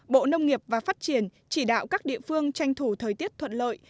bộ nông nghiệp và phát triển chỉ đạo các địa phương tranh thủ thời tiết thuận lợi